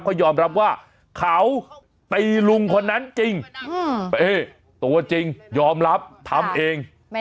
เขายอมรับว่าเขาตีลุงคนนั้นจริงตัวจริงยอมรับทำเอง